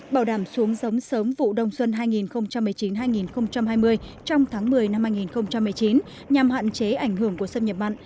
bảo đảm xuống giống sớm vụ đông xuân hai nghìn một mươi chín hai nghìn hai mươi trong tháng một mươi năm hai nghìn một mươi chín nhằm hạn chế ảnh hưởng của xâm nhập mặn